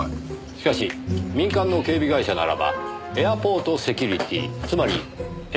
しかし民間の警備会社ならばエアポートセキュリティーつまりＡＳではありませんかねぇ。